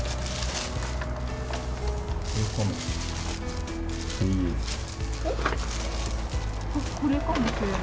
これかな？